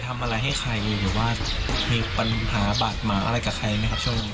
ทำอะไรให้ใครหรือว่ามีปัญหาบาดหมางอะไรกับใครไหมครับช่วงนี้